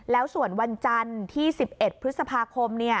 แล้วส่วนวันจันทร์ที่๑๑พฤษภาคม